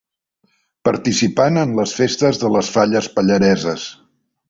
Participant en les festes de les falles pallareses.